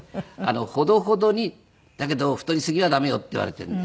「ほどほどにだけど太りすぎは駄目よ」って言われているんで。